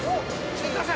新幹線！」